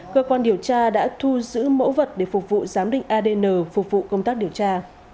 cơ quan điều tra đã thu giữ mẫu vật để phục vụ giám định adn phục vụ công tác điều tra